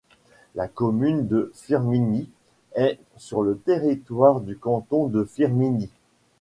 La commune de Firminy est sur le territoire du canton de Firminy.